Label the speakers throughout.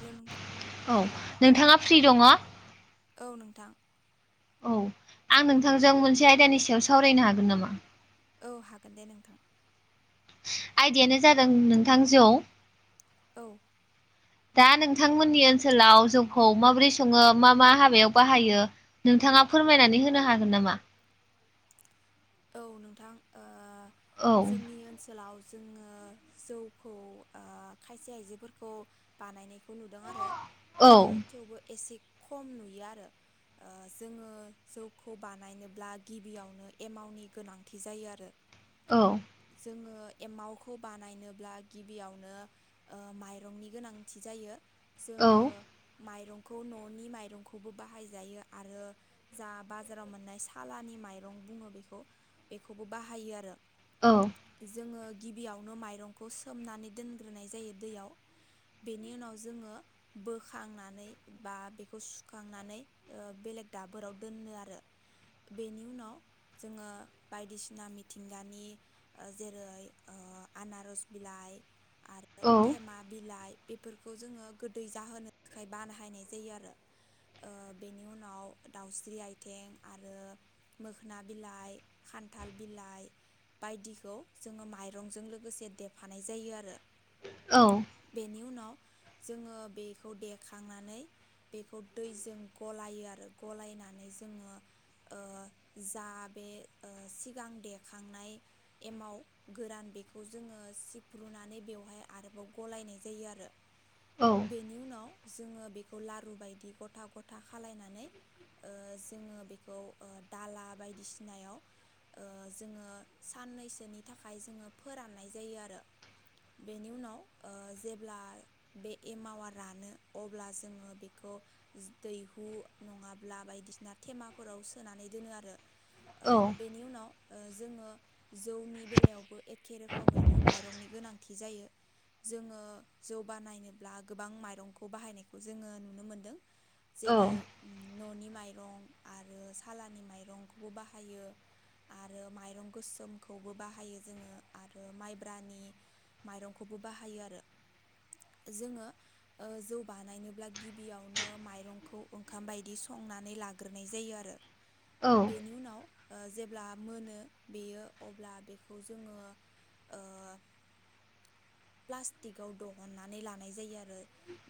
Speaker 1: Hello नोंथां
Speaker 2: औ नोंथांङा फ्रि दंङ
Speaker 1: औ नोंथां
Speaker 2: औ आं नोंथांजों मोनसे आयदानि सायाव सावरायनो हागोन नामा
Speaker 1: औ हागोन दे नोंथां
Speaker 2: आयदायानो जादों नोंथां जौ
Speaker 1: औ
Speaker 2: दा नोंथांमोननि ओनसोलाव जौ खौ माबोरै सङो मा मा हाबायाव बाहायो नोंथाङा फोरमायनानै होनो हागोन नामा
Speaker 1: औ नोंथां ओ
Speaker 2: औ
Speaker 1: जोंनि ओनसोलाव जोङो जौखौ खायसे आइजोफोरखौ बानायनायखौ बे खौ नुदों आरो
Speaker 2: औ
Speaker 1: ओ थेवबो एसिक खम नुयो आरो ओ जोङो जौखौ बानायनोब्ला गिबियावनो एमाउ नि गोनांथि जायो आरो
Speaker 2: औ
Speaker 1: जोङो एमावखौ बानायनोब्ला गिबियावनो ओ माइरंनि गोनांथि जायो
Speaker 2: औ
Speaker 1: जोङो माइरं न नि माइरं खौबो बाहाय जायो आरो जा बाजारआव मोन्नाय सालानि माइरं खौबो अ बेखौबो बाहायो आरो
Speaker 2: औ
Speaker 1: जोंङो गिबियावनो माइरंखौ सोमनानै दोनग्रोनाय जायो दैयाव बिनि उनाव जोंङो बोखांनानै बा बेखौ सुखांनानै ओ बे बेलेग दाबोराव दोननो आरो बेनि उनाव जोंङो बायदिसिना मिथिंगानि ओ जेरै ओ आनारस बिलाइ
Speaker 2: [inaudible]
Speaker 1: आरो
Speaker 2: औ
Speaker 1: थेमा बिलाइ बेफोरखौ जोङो गोदै जाहोनो थाखाय बानहायनाय जायो आरो। ओ बेनि उनाव दाउस्रि आइथें आरो मोख ना बिलाइ, खान्थाल बिलाइ बायदिखौ जोङो माइरंजों लोगोसे देफा नाय जायो आरो
Speaker 2: औ औ
Speaker 1: बेनि उनाव जोङो बेखौ देखांनानै बेखौ दैजों गलायो आरो गलाय नानै जोङो ओ जा बे ओ सिगां देखांनाय एमाव गोरान बेखौ जोङो सिफ्रुनानै बेवहाय आरोबाव गलायनाय जायो आरो
Speaker 2: औ
Speaker 1: बेनि उनाव जोङो बेखौ लारु बायदि गथा गथा खालायनानै ओ जोङो बेखौ ओ दाला
Speaker 2: [inaudible]
Speaker 1: बायदिसिनायाव ओ जोङो साननैसोनि थाखाय जोङो फोराननाय जायो आरो। बेनि उनाव ओ जेब्ला बे एमावा रानो अब्ला जोङो बेखौ दैहु नङाब्ला बायदिसिना थेमाफोराव सोनानै दोनो आरो
Speaker 2: औ
Speaker 1: ओ बेनि उनाव ओ जोङो जौनि बेलायावबो एखे रोखोमैनो माइरंनि गोनांथि जायो। जोङो जौ बानायनोब्ला गोबां माइरंखौ बाहायनायखौ जोङो नुनो मोनदों। जेरै- न'नि माइरं आरो साल
Speaker 2: [inaudible]
Speaker 1: मंखौबो बाहायो। आरो माइरं गोसोमखौबो बाहायो जोङो आरो माइब्रानि माइरंखौबो बाहायो आरो जोङो ओ जौ बानायनोब्ला गिबियावनो माइरंखौ ओंखाम बायदि सं नानै लाग्रोनाय जायो आरो
Speaker 2: औ
Speaker 1: बेनि उनाव ओ जेब्ला मोनो बेयो अब्ला बेखौ जोङो
Speaker 2: [inaudible]
Speaker 1: प्लाष्टिकआव दहननानै लानाय जायो आरो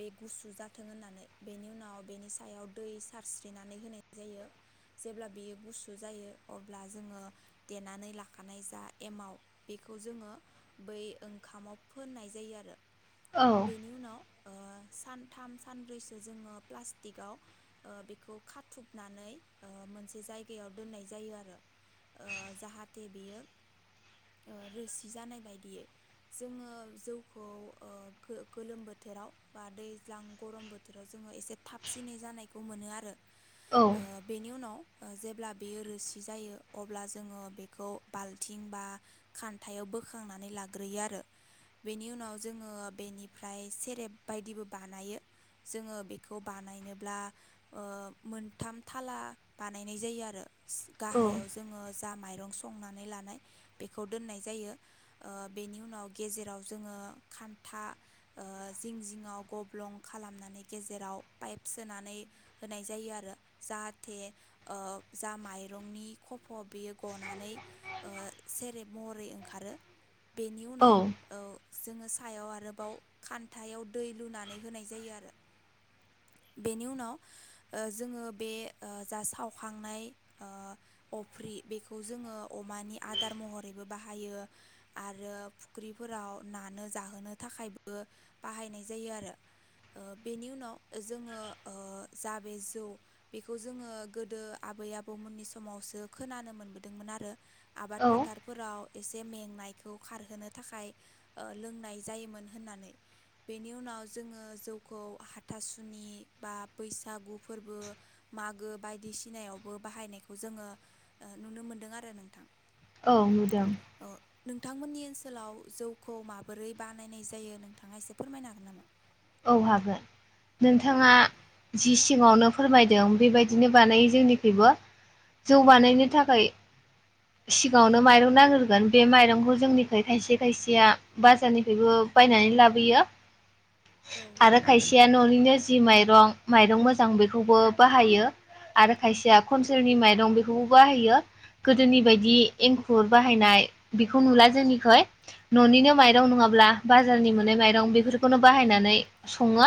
Speaker 1: बे गुसु जाथों होननानै बेनि उनाव बेनि सायाव दै सारस्रिनानै होनाय जायो। जेब्ला बियो गुसु जायो अब्ला जोङो देनानै लाखानाय जा एमाव बेखौ जोङो बै ओंखामाव फोननाय जायो आरो
Speaker 2: औ
Speaker 1: बेनि उनाव ओ
Speaker 2: [inaudible]
Speaker 1: सानथाम सानब्रैसो जोङो प्लाष्टिकआव ओ बेखौ खाथुबनानै ओ मोनसे जायगायाव दोननाय जायो आरो ओ‌ जाहाथे बेयो ओ रोसि जानाय बायदियै। जोङो जौखौ ओ गो-गोलोम बोथोराव बा दैज्लां गरम बोथोराव जो ङो एसे थाबसिनै जानायखौ मोनो आरो ओ बेनि उनाव ओ जेब्ला बेयो रोसि जायो अब्ला जोङो बेखो बाल्थिं बा खान्थायाव बोखांनानै लाग्रोयो आरो बेनि उनाव जोङो बेनिफ्राय सेरेब बायदिबो बानायो। जोङो बेखौ बानायनोब्ला ओ मोनथाम थाला बानायनाय जायो आरो गाहायाव
Speaker 2: औ
Speaker 1: जोङो जा माइ रं संनानै लानाय बेखौ दोननाय जायो। ओ बेनि उनाव गेजेराव जोङो खान्था ओ जिं जिङाव गब्लं खालामनानै गेजेराव पाइप सोनानै होनाय जायो आरो जाहाथे ओ जा माइरंनि खफ' बियो गनानै ओ सेरेब महरै ओंखारो बेनि उनाव ओ जोङो सायाव आरोबाव खान्थायाव दै लुनानै होनाय जायो आरो बेनि उनाव ओ जोङो बे ओ जा सावखांनाय ओ अफ्रि बेखौ जोङो अमानि आदार महरैबो बाहायो आरो फुख्रिफोराव नानो जाहोनो थाखायबो बाहायनाय जायो आरो ओ बेनि उनाव जोङो ओ जा बे जौ बेखौ जोङो गोदो आबै आबौमोननि समावसो खोनानो मोनबोदोंमोन आरो आबाद
Speaker 2: औ
Speaker 1: फोथारफोराव एसे मेंनायखौ खारहोनो थाखाय ओ लोंनाय जायोमोन होननानै बेनि उनाव जोङो जौखौ हाथासुनि बा बैसागु फोरबो मागो बायदिसिनायावबो बाहायनायखौ जोङो ओ नुनो मोनदों आरो नोंथां।
Speaker 2: औ नुदों।
Speaker 1: औ नोंथांमोननि ओनसोलाव जौखौ माबोरै बानायनाय जायो नोंथाङा एसे फोरमायनो हागोन नामा?
Speaker 2: औ हागोन। नोंथाङा जि सिङावनो फोरमायदों बेबायदिनो बानायो जोंनिखैइबो जौ
Speaker 1: औ
Speaker 2: बानायनो थाखाय सिगाङावनो माइरं नाग्रोगोन बे माइरंखौ जोंनिफ्राय खायसे खायसेया बाजारनिफ्रायबो बायनानै लाबोयो
Speaker 1: औ
Speaker 2: आरो खायसेया न'निनो जि माइ रं माइरं मोजां बेखौबो बाहायो। आरो खायसेया खन्टेलनि माइरं बेखौबो बाहायो। गोदोनि बायदि एंखुर बाहायनाय बेखौ नुला जोंनिखै ननिनो माइरं नङाबा बाजारनि मोननाय माइरं बेफोरखौनो बाहायनानै सङो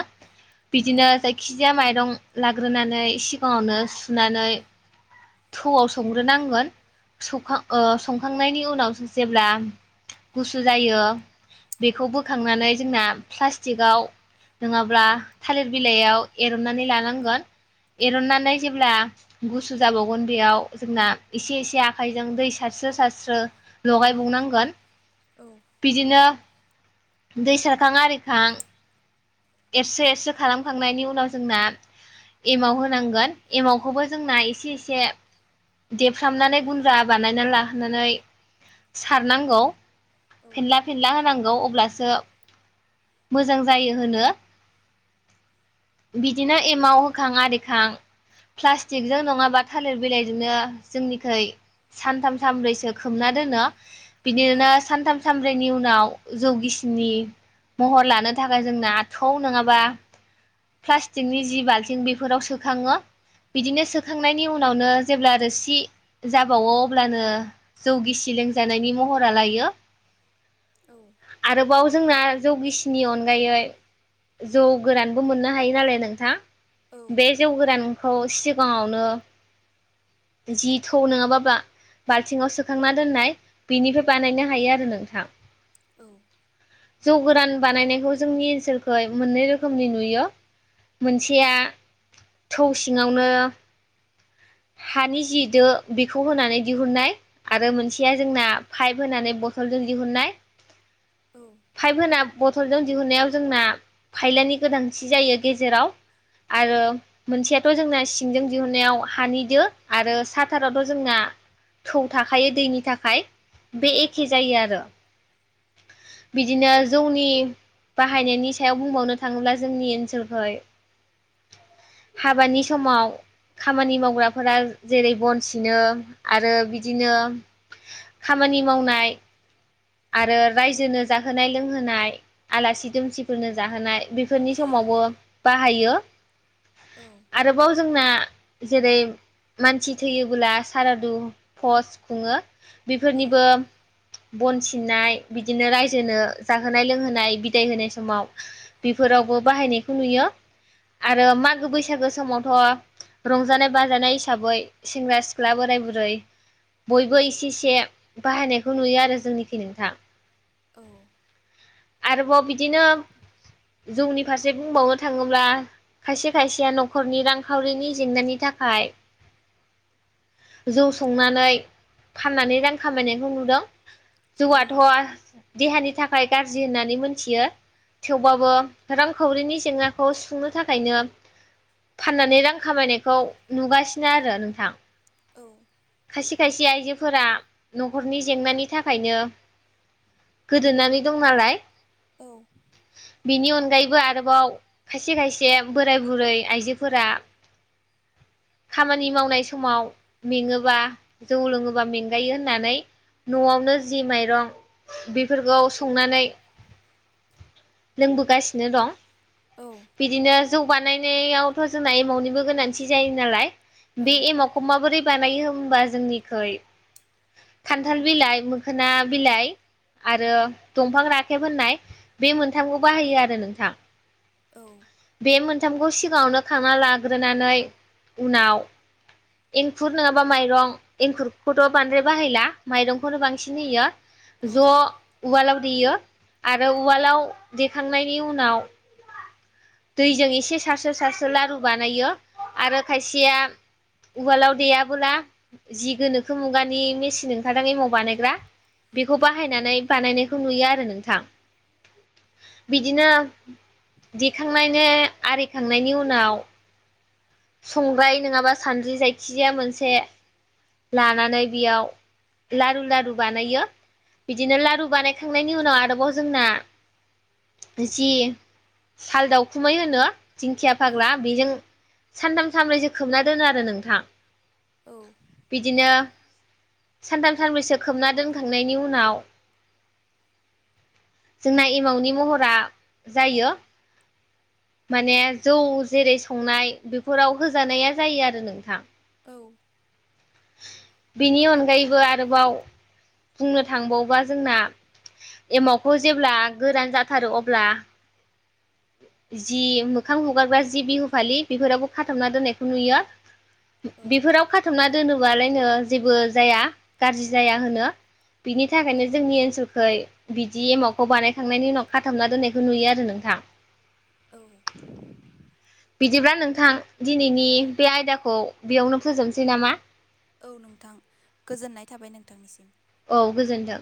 Speaker 1: जायखिजाया माइरं सानथाम सानब्रैनि उनाव ओंखाय मोना बथलजों दिहुननायाव जोंना बे एखे जायो आरो बेफोरनिबो जौआथ' बे एमावखौ माबोरै बानायो होनबा जोंनिखै जोंनि आफाग्ला बेजों दिनैनि
Speaker 2: बिदिनो जायखिजाया माइरं लाग्रोनानै सिगाङावनो सुनानै थौआव संग्रोनांगोन सौखां ओ संखांनायनि उनाव जेब्ला गुसु जायो बेखौ बोखांनानै जोंना प्लास्टि कआव नङाब्ला थालिर बिलाइयाव एरननानै लानांगोन एरननानै जेब्ला गुसु जाबावगोन बेयाव जोंना एसे एसे आखाइजों दै सारसि स्रो सारस्रो लगायबावनांगोन बिदिनो दै सारखां आरिखां एरसो एरसो खालामखांनायनि उनाव जोंना एमाव होनांगोन एमावखौबो जोंना एसे एसे देफ्रामनानै गुन्द्रा बानायना लाहोनानै सारनांगौ फेनला फेनला होनांगौ अब ब्लासो मोजां जायो होनो बिदिनो एमाव होखां आरिखां प्लास्टिकजों नङाबा थालिर बिलाइ बिदिनो जोंनिखै सानथाम सानब्रैसो खोबना दोनो बिदिनो सानथाम सानब्रैनि उन नाव जौगिसिनि महर लानो थाखाय जोंना थौ नङाबा प्लास्टिकनि जि बाल्थिं बेफोराव सोखाङो बिदिनो सोखांनायनि उनावनो जेब्ला रोसि जाबावओ अब्लानो जौ गिसि लों जानायनि महरा लायो आरोबाव जोंना जौ गिसिनि अनगायै जौ गोरान बो मोननो हायो नालाय नोंथां बे जौ गोरानखौ सिगाङावनो जि थौ नङाबा बा बाल्थिंआव सोखांना दोननाय बिनिफ्राय बानायनो हायो आरो नोंथां
Speaker 1: औ
Speaker 2: जौ गोरान बानायनायखौ जोंनि ओनसोलखै मोननै रोखोमनि नुयो यो मोनसेया थौ सिङावनो हानि जि दो बेखौ होनानै दिहुननाय आरो मोनसेया जोंना पाइप होनानै बथलजों दिहुननाय पाइप होना बथलजों दिहुनायाव जोंना फायलानि गोदान थि जायो गेजेराव आरो मोनसेयाथ जोंना सिंजों दिहुननायाव हानि दो आरो साथारावथ जोंना। थौ थाखायो दैनि थाखाय बे एखे जायो आरो बिदिनो जौनि बाहायनायनि सायाव बुंबावनो थाङोब्ला जोंनि ओनसोलखै हाबानि समाव खामानि मावग्राफोरा जेरै बन सिनो आरो बिदिनो खामानि मावनाय आरो रायजोनो जाहोनाय लोंहोनाय आलासि दुमसिफोरनो जाहोनाय बेफोरनि समाव बो बाहायो आरोबाव जोंना जेरै -मानसि थैयोबोला सारादु पस खुङो! बेफोरनिबो बन सिननाय बिदिनो रायजोनो जाहोनाय लोंहोनाय बिदाय होनाय समाव बेफोरावबो ब बाहायनायखौ नुयो आरो मागो बैसागो समावथ' रंजानाय बाजानाय हिसाबै सेंग्रा सिख्ला बोराय बुरै बयबो इसे इसे बाहायनायखौ नुयो आरो जोंनिखि नोंथां।
Speaker 1: औ-
Speaker 2: आरोबाव बिदिनो जौनि फारसे बुंबावनो थाङोब्ला खायसे खायसेया न'खरनि रांखावरिनि जेंनानि थाखाय जौ संनानै फाननानै रां खामायनायखौ नुदों जौआाथ' देहानि थाखाय गाज्रि होननानै मोनथियो थेवबाबो रांखावरिनि जेंनाखौ सुफुंनो थाखायनो फाननानै रां खामायनायखौ नुगासिनो आरो नोंथां
Speaker 1: औ
Speaker 2: खायसे खायसे आइजोफोरा न'खरनि जेंनानि थाखायनो गोदोना दं नालाय बिनि अनगायैबो आरोबाव खायसे खायसे बोराय बुरै आइजोफोरा [inaudible] खामानि मावनाय समाव मेङोबा जौ लोङोबा मेंगायो होननानै न'आवनो जि माइरं बेफोरखौ संनानै लोंबोगासिनो दं बिदिनो जौ बानायनायावथ' जोंना एमाउनिबो गोनांथि जायो नालाय बे एमावखौ माबोरै बानायो होम्बा जोंनिखै खान्थाल बिलाइ, मोखोना बिलाइ, आरो दंफां राखेब होननाय बे मोनथामखौ बाहायो आरो नोंथां
Speaker 1: औ-
Speaker 2: बे मोनथामखौ सिगाङावनो खांना लाग्रोनानै उनाव- एंखुर नङाबा माइरं एंखुरखौथ' बांद्राय बाहायला माइरंखौनो बांसिन होयो। ज' उवालाव देयो। आरो उवालाव देखांनायनि उनाव दैजों एसे सारसो सारसो लारु बानायो आरो खायसेया उवालाव देयाबोला जि गोनोखो मुगानि मेसिन ओंखारदों एमाव बानायग्रा बेखौ बाहायनानै बानायनायखौ नुयो आरो नोंथां! बिदिनो दिखांनायनि आरिखांनायनि उनाव- संग्राय नङाबा सानद्रि जायखिजाया मोनसे लानानै बेयाव लारु लारु बानायो बिदिनो लारु बानायखांनायनि उनाव आरोबाव जोंना जि साल दावखुमै होनो! दिंखिया फाग्ला बेजों सानथाम सानब्रैसो खोबना दोनो आरो नोंथां बिदिनो- सानथाम सानब्रैसो खोबना दोनखांनायनि उनाव जोंना एमावनि महरा जायो माने जौ जेरै संनाय बेफोराव होजानाया जायो आरो नोंथां बेनि अनगायैबो आरोबाव बुंनो थांबावबा जोंना एमावखौ जेब्ला गोरान जाथारो अब्ला जि मोखां हुगारग्रा जि बिहु फालि बेफोरावबो खाथबना दोननायखौ नुयो।
Speaker 1: बे आयदाखौ
Speaker 2: बेफोराव खाथबना दोनोबालायनो जेबो जाया गाज्रि जाया होनो बिनि थाखायनो जोंनि ओनसोलखै बिदि एमावखौ बानायखांनायनि उनाव खाथबना दोननायखौ नुयो आरो नोंथां
Speaker 1: औ
Speaker 2: दिब्ला नोंथां दिनैनि बे आयदाखौ बेयावनो फोजोबनोसै नामा
Speaker 1: औ नोंथां गोजोननाय थाबाय नोंथांनिसिम
Speaker 2: औ गोजोन्थों